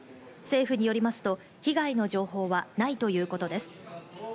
政府によりますと、被害の情報はないということです。